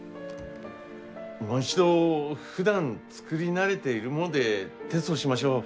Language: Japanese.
もう一度ふだん作り慣れているものでテストしましょう。